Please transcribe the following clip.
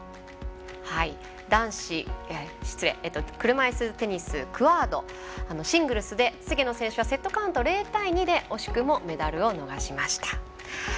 車いすテニスクアードシングルスで、菅野選手はセットカウント０対２で惜しくもメダルを逃しました。